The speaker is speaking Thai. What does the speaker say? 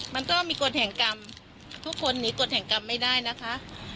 มันต้องมีกฎแห่งกรรมทุกคนหนีกฎแห่งกรรมไม่ได้นะคะ